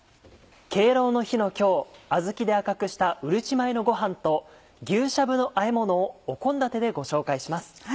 敬老の日の今日あずきで赤くしたうるち米のご飯と牛しゃぶのあえものをお献立でご紹介します。